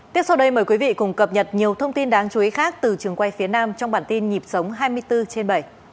tiếp sau đây mời quý vị cùng cập nhật nhiều thông tin đáng chú ý khác từ trường quay phía nam trong bản tin nhịp sống hai mươi bốn trên bảy